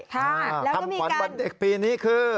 คำขวัญวันเด็กปีนี้คือ